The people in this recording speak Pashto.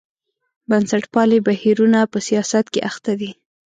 بنسټپالي بهیرونه په سیاست کې اخته دي.